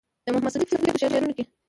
د محمد صديق پسرلي په شعرونو کې